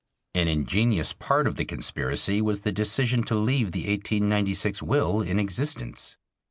An ingenious part of the conspiracy was the decision to leave the 1896 will in existence.